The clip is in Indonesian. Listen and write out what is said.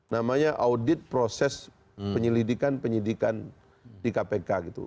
namanya audit proses penyelidikan penyidikan di kpk gitu